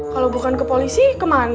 kalau bukan ke polisi ke mana